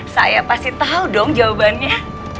saya pasti tahu dong jawabannya